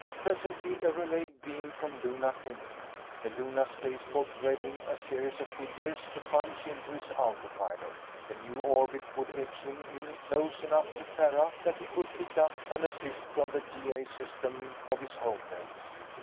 Presently, a relayed beam from Luna came in. The Luna spaceport read him a series of figures to punch into his autopilot. The new orbit would edge him in close enough to Terra, that he could pick up an assist from the G.A. system of his home base.